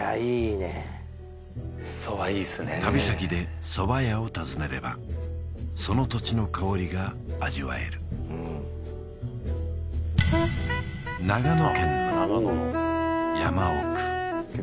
旅先で蕎麦屋を訪ねればその土地の香りが味わえる長野県の山奥